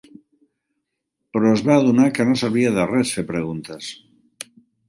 Però es va adonar que no servia de res fer preguntes.